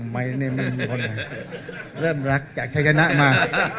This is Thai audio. ไม่เริ่มรักจากชัยชนะมา